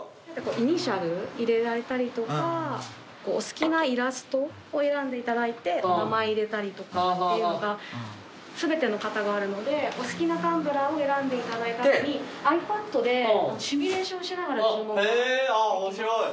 イニシャル入れられたりとかお好きなイラストを選んでいただいてお名前入れたりとかっていうのが全ての型があるのでお好きなタンブラーを選んでいただいた後にｉＰａｄでシミュレーションしながら注文ができます。